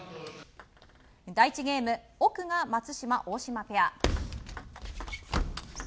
第１ゲーム奥が松島、大島ペア。